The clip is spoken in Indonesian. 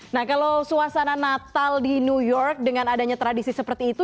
nah kalau suasana natal di new york dengan adanya tradisi seperti itu